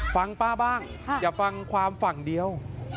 ฟังป้าบ้างอย่าฟังความฝั่งเดียว